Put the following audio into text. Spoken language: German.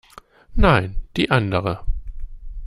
Nein, die andere.